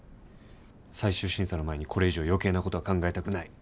最終審査の前にこれ以上余計なことは考えたくない。